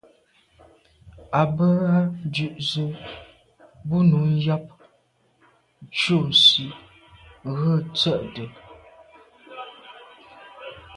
À bə́ á dʉ̀’ zə̄ bú nǔ yáp cû nsî rə̂ tsə̂də̀.